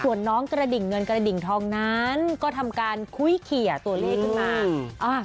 ส่วนน้องกระดิ่งเงินกระดิ่งทองนั้นก็ทำการคุ้ยเขียตัวเลขขึ้นมา